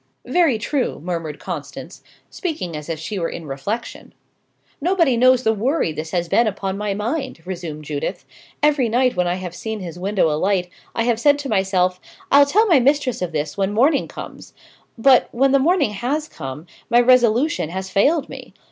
"Very true," murmured Constance, speaking as if she were in reflection. "Nobody knows the worry this has been upon my mind," resumed Judith. "Every night when I have seen his window alight, I have said to myself, 'I'll tell my mistress of this when morning comes;' but, when the morning has come, my resolution has failed me.